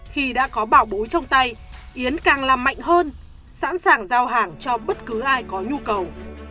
khi đã có bảo búi trong tay yến càng làm mạnh hơn sẵn sàng giao hàng cho bất cứ ai có nhu cầu